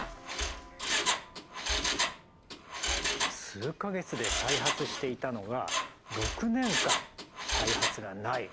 数か月で再発していたのが６年間再発がない。